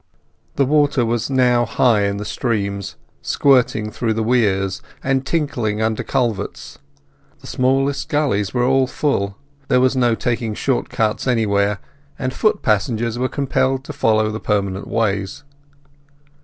The water was now high in the streams, squirting through the weirs, and tinkling under culverts; the smallest gullies were all full; there was no taking short cuts anywhere, and foot passengers were compelled to follow the permanent ways.